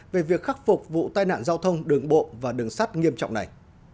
về việc khắc phục vụ tai nạn giao thông đường bộ và đường sắt nghiêm trọng này